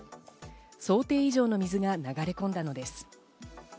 想定以上の水が流れ込んだのです。